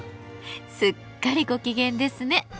すっかりご機嫌ですね！